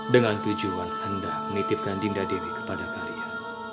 dengan tujuan hendak menitipkan dinda dewi kepada kalian